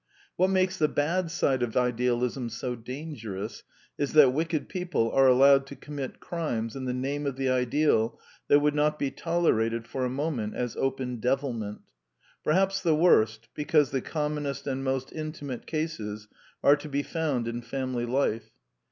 What makes the bad side of idealism so dangerous is that wicked peo ple are allowed to commit crimes in the name of the ideal that would not be tolerated for a mo ment as open devilment. Perhaps the worst, be cause the commonest and most intimate cases, are to be found in family life.